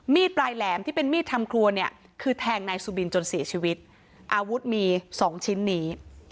ปลายแหลมที่เป็นมีดทำครัวเนี่ยคือแทงนายสุบินจนเสียชีวิตอาวุธมีสองชิ้นนี้